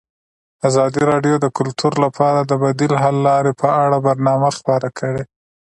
ازادي راډیو د کلتور لپاره د بدیل حل لارې په اړه برنامه خپاره کړې.